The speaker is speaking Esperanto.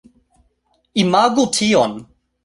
Imagu tion